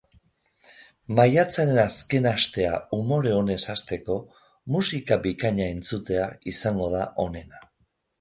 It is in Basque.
Maiatzaren azken astea umore onez hasteko, musika bikaina entzutea izango da onena.